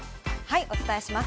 お伝えします。